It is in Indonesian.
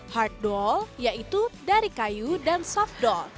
hard doll yaitu dari kayu dan soft doll